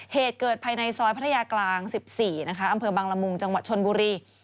เหตุเกิดภายในซอยพัทยากลาง๑๔นะคะอำเภอบังละมุงจังหวัดชนบุรี